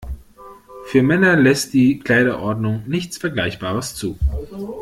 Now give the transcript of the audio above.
Für Männer lässt die Kleiderordnung nichts Vergleichbares zu.